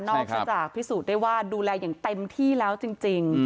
จากพิสูจน์ได้ว่าดูแลอย่างเต็มที่แล้วจริง